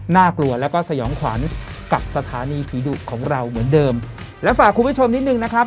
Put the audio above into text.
กลัวแล้วก็สยองขวัญกับสถานีผีดุของเราเหมือนเดิมและฝากคุณผู้ชมนิดนึงนะครับ